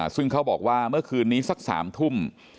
ซึ่งเขาบอกว่าเมื่อคืนนี้สัก๓ทุ่ม